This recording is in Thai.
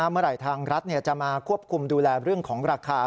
เมื่อไหร่ทางรัฐจะมาควบคุมดูแลเรื่องของราคา